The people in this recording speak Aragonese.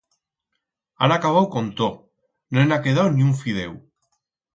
Han acabau con tot, no en ha quedau ni un fideu.